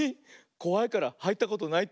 こわいからはいったことないって？